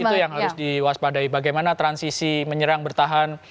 itu yang harus diwaspadai bagaimana transisi menyerang bertahan